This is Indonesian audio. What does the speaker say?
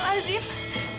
rate pukuh keluar